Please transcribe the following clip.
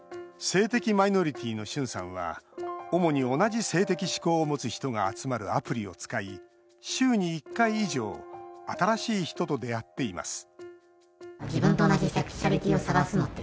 性的マイノリティーのシュンさんは主に同じ性的指向を持つ人が集まるアプリを使い週に１回以上新しい人と出会っています